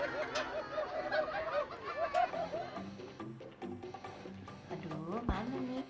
aduh mana nih